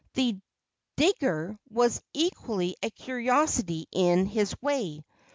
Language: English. The Digger was equally a curiosity in his way.